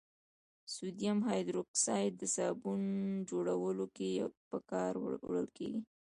سودیم هایدروکساید د صابون جوړولو کې په کار وړل کیږي.